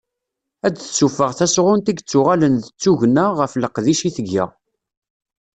Ad d-tessufeɣ tasɣunt i yettuɣalen d tugna ɣef leqdic i tga.